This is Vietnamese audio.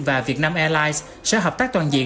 và vietnam airlines sẽ hợp tác toàn diện